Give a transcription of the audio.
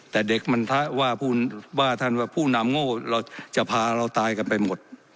แต่เด็กมันว่าท่านว่าผู้นำโง่เราจะพาเราตายกันไปหมด